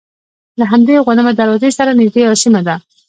له همدې غوانمه دروازې سره نژدې یوه سیمه ده.